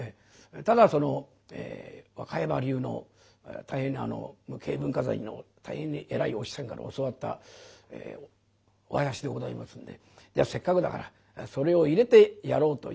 ただ若山流の大変に無形文化財の大変に偉いお師匠さんから教わったお囃子でございますんでじゃあせっかくだからそれを入れてやろうというこういうわけで。